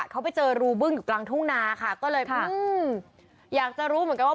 เขาไปเจอรูบึ้งอยู่กลางทุ่งนาค่ะก็เลยแบบอยากจะรู้เหมือนกันว่า